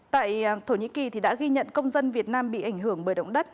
tại thổ nhĩ kỳ đã ghi nhận công dân việt nam bị ảnh hưởng bởi động đất